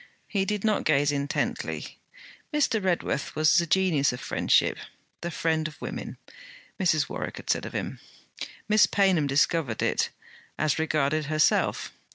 He did not gaze intently. Mr. Redworth was the genius of friendship, 'the friend of women,' Mrs. Warwick had said of him. Miss Paynham discovered it, as regarded herself.